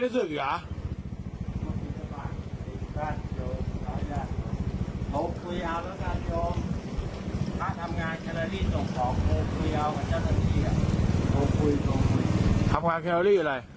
ทำขวาแคลอรี่อะไร